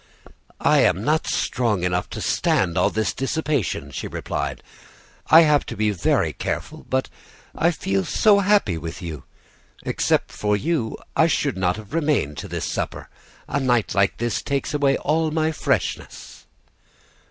"'I am not strong enough to stand all this dissipation,' she replied. 'I have to be very careful; but I feel so happy with you! Except for you, I should not have remained to this supper; a night like this takes away all my freshness.